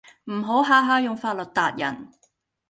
唔好下下用法律撻人